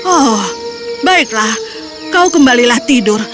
oh baiklah kau kembalilah tidur